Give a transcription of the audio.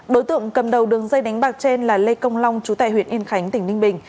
đối tượng cầm đầu đường dây đánh bạc trên là lê công long chú tài huyện yên khánh tỉnh ninh bình